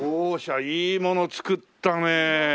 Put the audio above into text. いいもの作ったね！